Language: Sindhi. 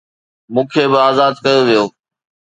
مون کي به آزاد ڪيو ويو